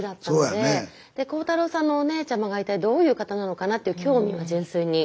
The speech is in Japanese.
で浩太朗さんのお姉ちゃまが一体どういう方なのかなっていう興味が純粋に。